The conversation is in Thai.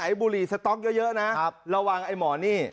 ร้านไหนบุรีเจ็บเยอะนะระว่างไอ้หมอนี่